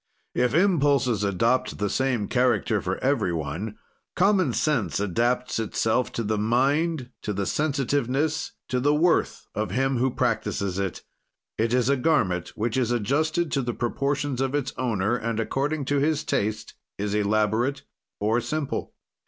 If impulses adopt the same character for every one, common sense adapts itself to the mind, to the sensitiveness, to the worth of him who practises it; it is a garment which is adjusted to the proportions of its owner, and, according to his taste, is elaborate or simple.